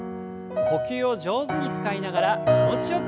呼吸を上手に使いながら気持ちよく胸を反らせます。